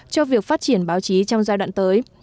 cho việc phát triển báo chí trong giai đoạn tới